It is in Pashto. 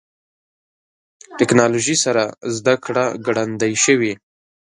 ټکنالوژي سره زدهکړه ګړندۍ شوې.